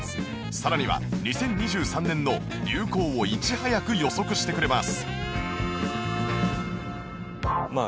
さらには２０２３年の流行をいち早く予測してくれます